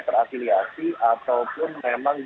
terafiliasi ataupun memang